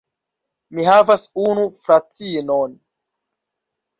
Mi havas unu fratinon.